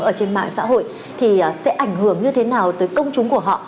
ở trên mạng xã hội thì sẽ ảnh hưởng như thế nào tới công chúng của họ